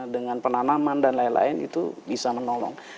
dengan penanaman dan lain lain itu bisa menolong